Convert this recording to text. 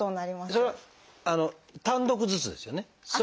それは単独ずつですよね。